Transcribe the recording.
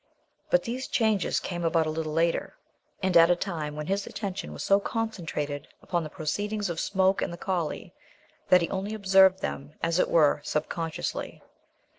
But these changes came about a little later, and at a time when his attention was so concentrated upon the proceedings of Smoke and the collie, that he only observed them, as it were, subconsciously.